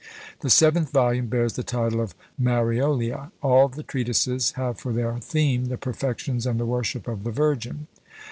The seventh volume bears the title of Mariolia: all the treatises have for their theme the perfections and the worship of the Virgin.